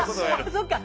そっか。